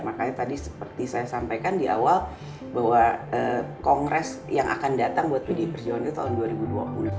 makanya tadi seperti saya sampaikan di awal bahwa kongres yang akan datang buat pdi perjuangan itu tahun dua ribu dua puluh